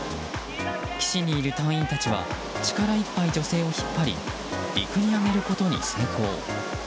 岸にいる隊員たちは力いっぱい女性を引っ張り陸に上げることに成功。